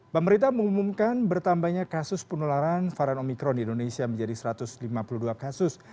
pemerintah mengumumkan bertambahnya kasus penularan varian omikron di indonesia menjadi satu ratus lima puluh dua kasus